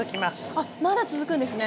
あっまだ続くんですね。